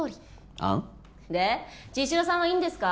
あん？で茅代さんはいいんですか？